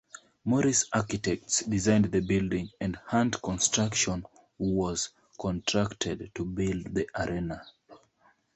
Morris Architects, designed the building, and Hunt Construction was contracted to build the arena.